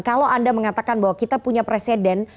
kalau anda mengatakan bahwa kita punya presiden